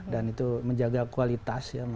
dan itu menjaga kualitas ya